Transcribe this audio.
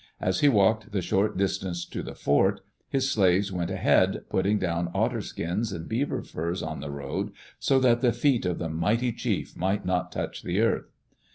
As he walked the short distance to the fort, his slaves went ahead putting down otter skins and beaver furs on the road, so that the feet of the mighty chief might not touch the earth.